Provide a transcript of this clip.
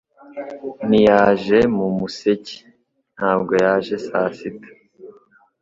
Ntiyaje mu museke; ntabwo yaje saa sita;